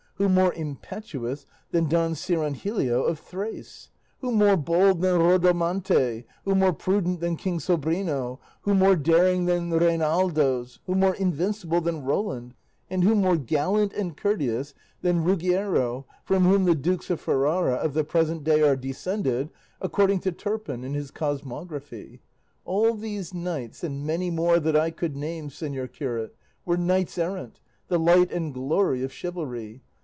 Who more impetuous than Don Cirongilio of Thrace? Who more bold than Rodamonte? Who more prudent than King Sobrino? Who more daring than Reinaldos? Who more invincible than Roland? and who more gallant and courteous than Ruggiero, from whom the dukes of Ferrara of the present day are descended, according to Turpin in his 'Cosmography.' All these knights, and many more that I could name, señor curate, were knights errant, the light and glory of chivalry.